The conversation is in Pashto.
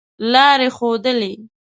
لاري ښودلې.